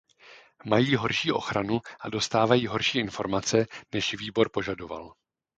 Mají horší ochranu a dostávají horší informace, než Výbor požadoval.